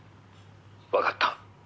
「わかった」